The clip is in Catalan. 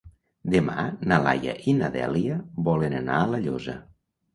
Demà na Laia i na Dèlia volen anar a La Llosa.